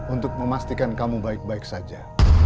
untuk memastikan kamu baik baik saja